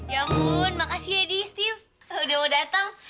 ya ampun makasih ya di steve udah mau datang